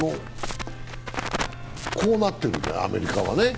こうなってるんだよね、アメリカはね